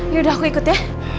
yaudah aku ikut ya